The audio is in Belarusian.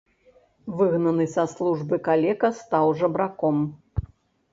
Выгнаны са службы, калека стаў жабраком.